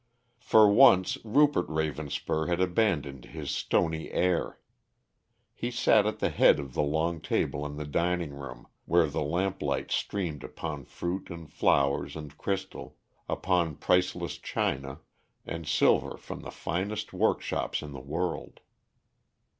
For once Rupert Ravenspur had abandoned his stony air. He sat at the head of the long table in the dining room, where the lamplight streamed upon fruit and flowers and crystal, upon priceless china, and silver from the finest workshops in the world.